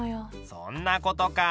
そんなことか。